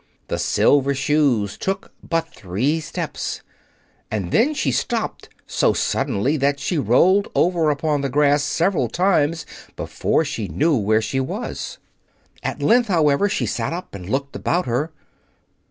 The Silver Shoes took but three steps, and then she stopped so suddenly that she rolled over upon the grass several times before she knew where she was. At length, however, she sat up and looked about her.